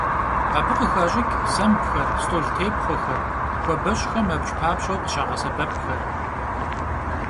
Abı khıxaş'ıç' sembxer, st'oltêpxhuexer, xuabeş'xem abc papş'eu khışağesebepxer.